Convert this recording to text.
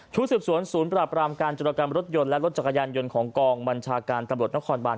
สืบสวนศูนย์ปราบรามการจุรกรรมรถยนต์และรถจักรยานยนต์ของกองบัญชาการตำรวจนครบาน